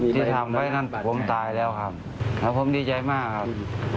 ที่ทำไว้นั่นผมตายแล้วครับครับผมดีใจมากครับ